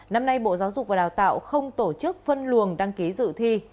năm nay bộ giáo dục và đào tạo không tổ chức phân luồng đăng ký dự thi